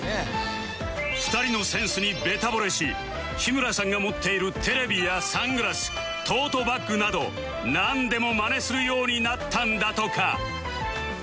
２人のセンスにベタ惚れし日村さんが持っているテレビやサングラストートバッグなどなんでもマネするようになったんだとか